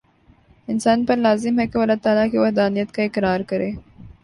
انسان پر لازم ہے کہ وہ اللہ تعالی کی وحدانیت کا اقرار کرے